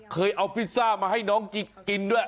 เคยเอาพิซซ่ามาให้น้องจิ๊กกินด้วย